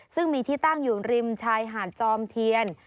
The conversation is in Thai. ซึ่งมีที่ตั้งอยู่ริมชายหาดจอมเทียน